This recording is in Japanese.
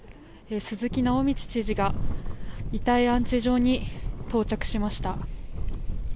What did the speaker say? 鈴木直道知事が遺体安置所に到着しました。